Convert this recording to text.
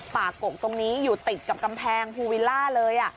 กกตรงนี้อยู่ติดกับกำแพงภูวิลล่าเลย